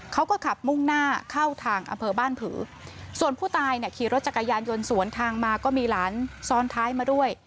เขาก็ขับมุ่งหน้าเข้าทางอำเภอบ้านผือส่วนผู้ตายเนี่ยขี่รถจักรยานยนต์สวนทางมาก็มีหลานซ้อนท้ายมาด้วย